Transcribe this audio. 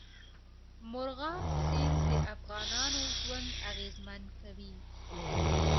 مورغاب سیند د افغانانو ژوند اغېزمن کوي.